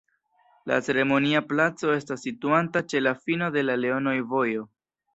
La Ceremonia Placo estas situanta ĉe la fino de la Leonoj-Vojo.